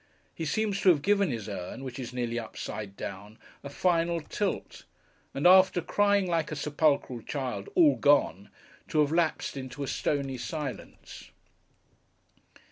He seems to have given his urn, which is nearly upside down, a final tilt; and after crying, like a sepulchral child, 'All gone!' to have lapsed into a stony silence.